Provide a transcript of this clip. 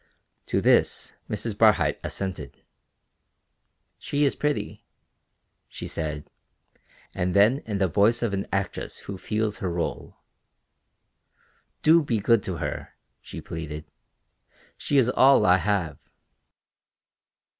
To this Mrs. Barhyte assented. "She is pretty," she said, and then in the voice of an actress who feels her rôle, "Do be good to her," she pleaded, "she is all I have."